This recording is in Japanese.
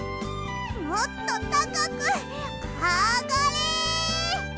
もっとたかくあがれ！